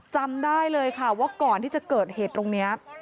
จำได้เลยค่ะว่าก่อนที่จะเกิดเหตุตรงนี้